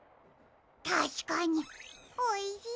たしかにおいしそう！